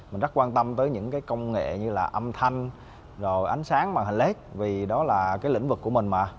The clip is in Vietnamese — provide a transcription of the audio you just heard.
mình rất quan tâm tới những công nghệ như là âm thanh ánh sáng màn hình led vì đó là lĩnh vực của mình mà